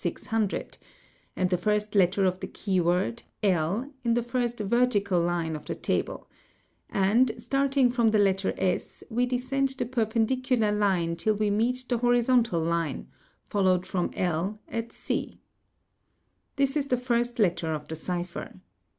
600, and the first letter of the key word 1 in the first ' vertical line of the table, and, starting from the letter s, we descend the perpendicular line till we meet the horizontal line, followed from 1, at c. | This is the first letter of the cipher.